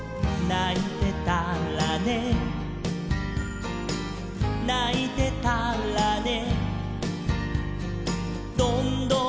「ないてたらねないてたらね」